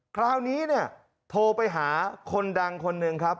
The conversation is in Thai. คราวนี้เนี่ยโทรไปหาคนดังคนหนึ่งครับ